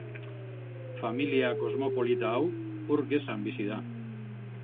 Familia kosmopolita hau ur gezan bizi da.